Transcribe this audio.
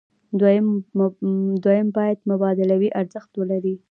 دویم باید مبادلوي ارزښت ولري.